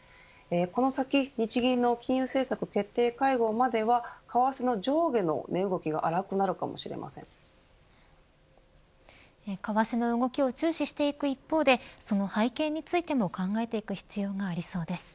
この先、日銀の金融政策決定会合までは為替の上下の値動きが為替の動きを注視していく一方でその背景についても考えていく必要がありそうです。